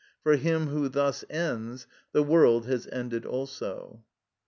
For him who thus ends, the world has ended also.